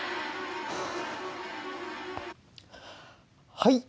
はい。